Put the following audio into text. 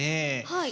はい。